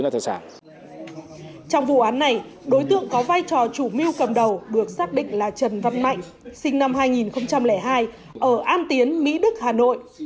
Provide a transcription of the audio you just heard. trong vụ án này đối tượng có vai trò chủ mưu cầm đầu được xác định là trần văn mạnh sinh năm hai nghìn hai ở an tiến mỹ đức hà nội